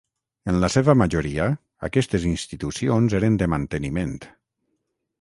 En la seva majoria, aquestes institucions eren de manteniment.